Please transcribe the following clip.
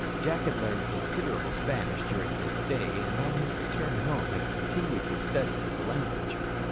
Jack had learned considerable Spanish during his stay and on his return home had continued his studies of the language.